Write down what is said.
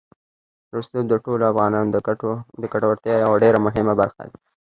رسوب د ټولو افغانانو د ګټورتیا یوه ډېره مهمه برخه ده.